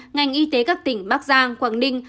ngành y tế các tỉnh bắc giang quảng ninh